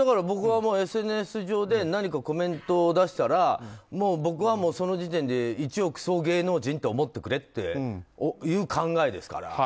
僕はＳＮＳ上で何かコメントを出したらもう僕は、その時点で１億総芸能人って思ってくれっていう考えですから。